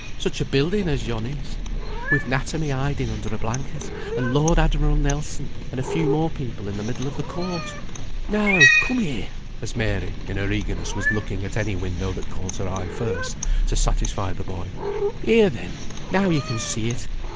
Such a building as yon is! with 'natomy hiding under a blanket, and Lord Admiral Nelson, and a few more people in the middle of the court! No! come here," as Mary, in her eagerness, was looking at any window that caught her eye first, to satisfy the boy. "Here, then, now you can see it.